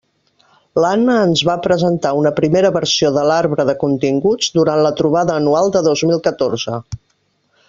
L'Anna ens va presentar una primera versió de l'arbre de continguts durant la trobada anual del dos mil catorze.